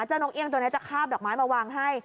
นกเอี่ยงตัวนี้จะคาบดอกไม้มาวางให้